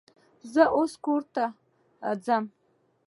زه اوس کور ته ځمه.